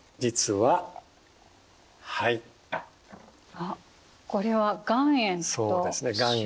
あっこれは岩塩と塩。